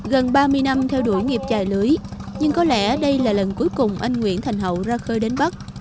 gần ba mươi năm theo đuổi nghiệp trải lưới nhưng có lẽ đây là lần cuối cùng anh nguyễn thành hậu ra khơi đến bắc